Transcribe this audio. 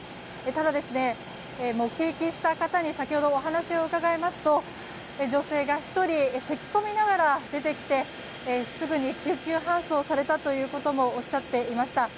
ただ、目撃した方に先ほどお話を伺いますと女性が１人せき込みながら出てきてすぐに救急搬送されたということもおっしゃっていました。